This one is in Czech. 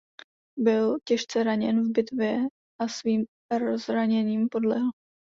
Byl těžce raněn v bitvě a svým zraněním podlehl.